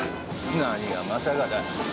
何がまさかだ。